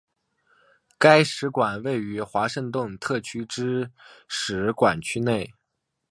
该使馆位于华盛顿特区之使馆区内。